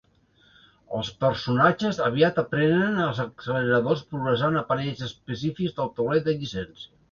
Els personatges aviat aprenen els acceleradors progressant a panells específics del tauler de llicència.